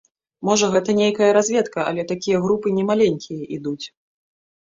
Можа, гэта нейкая разведка, але такія групы не маленькія ідуць.